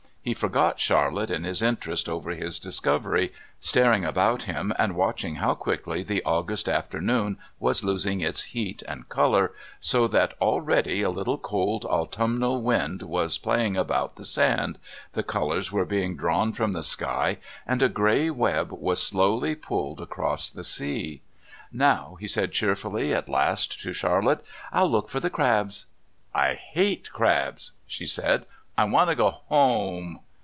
He forgot Charlotte in his interest over his discovery, staring about him and watching how quickly the August afternoon was losing its heat and colour, so that already a little cold autumnal wind was playing about the sand, the colours were being drawn from the sky, and a grey web was slowly pulled across the sea. "Now," he said cheerfully at last, to Charlotte, "I'll look for the crabs." "I hate crabs," she said. "I want to go home."